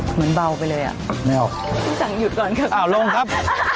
เหมือนเบาไปเลยอ่ะไม่ออกอ่ะลงครับ